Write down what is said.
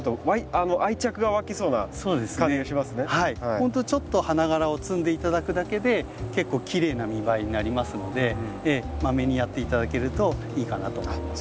ほんとにちょっと花がらを摘んで頂くだけで結構きれいな見栄えになりますのでまめにやって頂けるといいかなと思います。